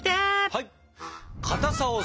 はい！